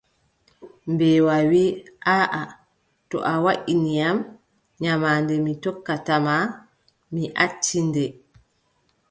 Mbeewa wii: aaʼa to a waʼini am, nyamaande mi tokkata ma, mi acci nde.